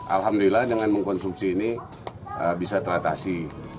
alhamdulillah dengan mengkonsumsi ini bisa teratasi